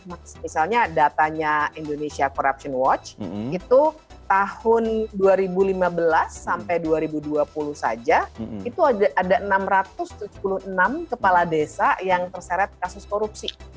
misalnya datanya indonesia corruption watch itu tahun dua ribu lima belas sampai dua ribu dua puluh saja itu ada enam ratus tujuh puluh enam kepala desa yang terseret kasus korupsi